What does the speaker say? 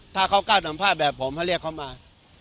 ถ้าเขากล้าสัมภาษณ์แบบผมให้เรียกเขามา